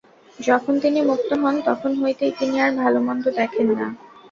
যখন তিনি মুক্ত হন, তখন হইতেই তিনি আর ভাল-মন্দ দেখেন না।